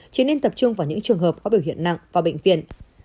chỉ nên tập trung vào những trường hợp có biểu hiện nặng vào bệnh viện